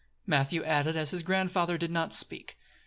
Matthew added, as his grandfather did not speak.